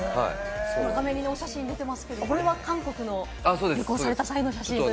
画面にお写真が出てますけれども、これは韓国を旅行された際の写真ですね。